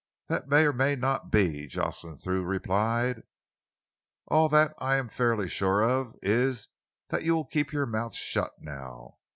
"That may or may not be," Jocelyn Thew replied. "All that I am fairly sure of is that you will keep your mouth shut now.